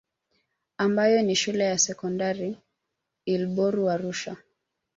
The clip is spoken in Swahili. Ambayo ni shule ya Sekondari Ilboru Arusha